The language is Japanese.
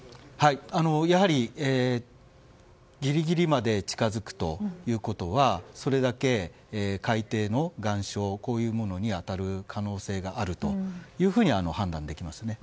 やはり、ギリギリまで近づくということはそれだけ海底の岩礁に当たる可能性があるというふうに判断できますね。